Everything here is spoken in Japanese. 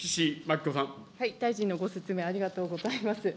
大臣のご説明ありがとうございます。